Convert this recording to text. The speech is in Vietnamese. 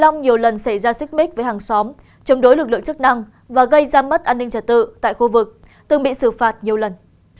ông nhiều lần xảy ra xích mít với hàng xóm chống đối lực lượng chức năng và gây ra mất an ninh trật tự tại khu vực từng bị xử phạt nhiều lần